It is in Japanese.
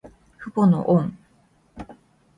父母の恩。